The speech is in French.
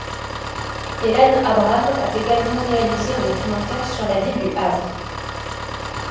Hélène Abram a également réalisé un documentaire sur la ville du Havre.